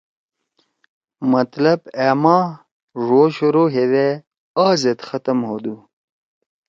مطلب اے ما ڙو شروع ہیدے آ زید ختم ہودُو۔